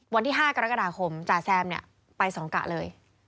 วันที่๕กรกฎาคมจ่าแซมเนี่ยไปสองกะเลย